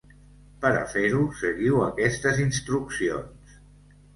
Per a fer-ho, seguiu aquestes instruccions.